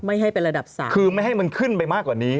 ไม่ให้มันขึ้นไปมากกว่านี้